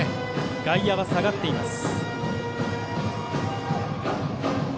外野は下がっています。